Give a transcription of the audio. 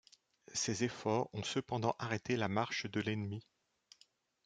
Ses efforts ont cependant arrêté la marche de l'ennemi.